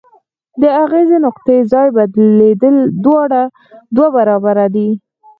د اغیزې نقطې ځای بدلیدل دوه برابره دی.